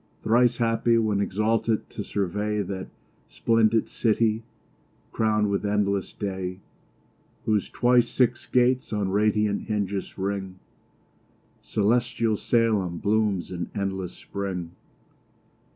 Thrice happy, when exalted to survey That splendid city, crown'd with endless day, Whose twice six gates on radiant hinges ring: Celestial Salem blooms in endless spring.